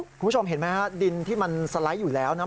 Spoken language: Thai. คุณผู้ชมเห็นไหมฮะดินที่มันสไลด์อยู่แล้วนะ